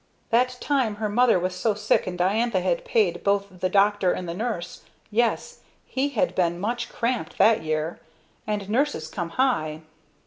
That time her mother was so sick and Diantha had paid both the doctor and the nurse yes he had been much cramped that year and nurses come high.